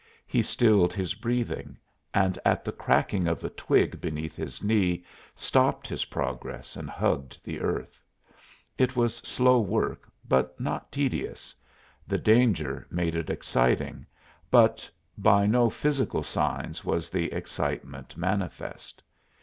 He stilled his breathing, and at the cracking of a twig beneath his knee stopped his progress and hugged the earth. It was slow work, but not tedious; the danger made it exciting, but by no physical signs was the excitement manifest.